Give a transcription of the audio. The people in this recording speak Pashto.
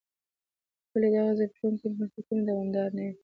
ولې دغه زبېښونکي بنسټونه دوامداره نه وي.